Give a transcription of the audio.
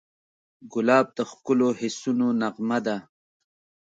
ګلاب د ښکلو حسونو نغمه ده.